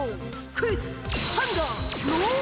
クイズ？